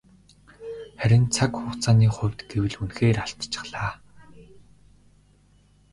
Харин цаг хугацааны хувьд гэвэл үнэхээр алдчихлаа.